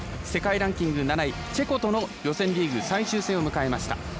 世界ランキング７位、チェコとの予選リーグ最終戦を迎えました。